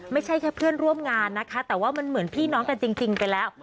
ไม่ใช่แค่เพื่อนร่วมงานนะคะแต่ว่ามันเหมือนพี่น้องกันจริงไปแล้ว